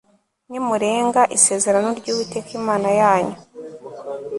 nimurenga isezerano ry uwiteka imana yanyu